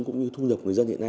cũng như thu nhập